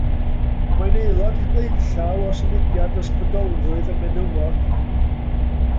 Mae'n aelod blaenllaw o symudiad ysbrydolrwydd y menywod.